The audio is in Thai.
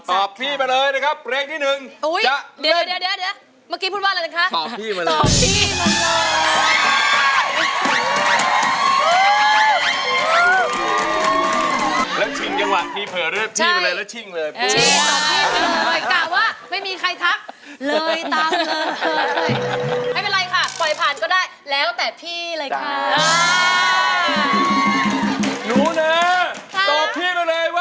ต่อพี่ไปเลยนะครับ